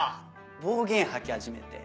暴言吐き始めて。